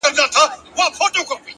هوډ د ناامیدۍ دروازې تړلي ساتي.